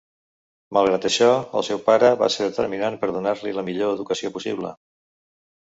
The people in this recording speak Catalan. Malgrat això el seu pare va ser determinant per donar-li la millor educació possible.